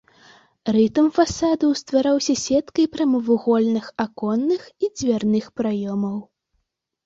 Рытм фасадаў ствараўся сеткай прамавугольных аконных і дзвярных праёмаў.